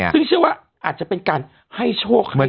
ซึ่งเชื่อว่าอาจจะเป็นการให้โชคฮีราช